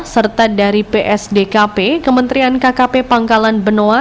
serta dari psdkp kementerian kkp pangkalan benoa